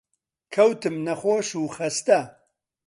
کەوتم نەخۆش و خەستە